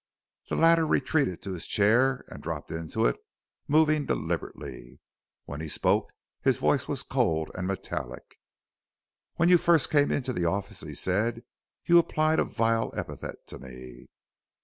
The latter retreated to his chair and dropped into it, moving deliberately. When he spoke his voice was cold and metallic. "When you first came into the office," he said, "you applied a vile epithet to me.